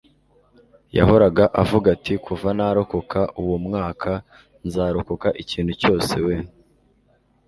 yahoraga avuga ati kuva narokoka uwo mwaka, nzarokoka ikintu cyose. we